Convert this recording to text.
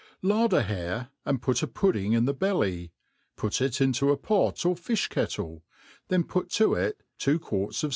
LARD a hare« and put a pudding ip the belly ; put it intc) a pot or filh lcettle, then put to it two quarts of.